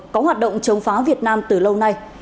có hoạt động chống phá việt nam từ lâu nay